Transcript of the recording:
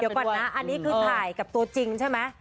เดี๋ยวก่อนนะอันนี้คือถ่ายกับตัวจริงใช่ไหม